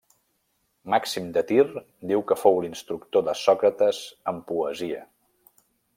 Màxim de Tir diu que fou l'instructor de Sòcrates en poesia.